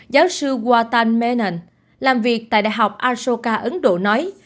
giáo sư watan menon làm việc tại đại học ashoka ấn độ nói